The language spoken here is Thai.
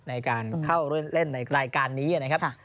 ในการเข้าเล่นในรายการนี้นะครับ